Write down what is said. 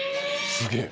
すげえ！